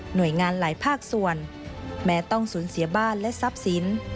โดยงานหลายภาคส่วนแม้ต้องสูญเสียบ้านและทรัพย์สิน